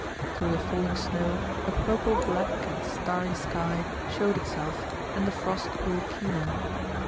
Through the falling snow a purple black and starry sky showed itself and the frost grew keener.